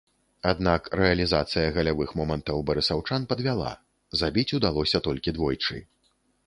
Аднак рэалізацыя галявых момантаў барысаўчан падвяла, забіць удалося толькі двойчы.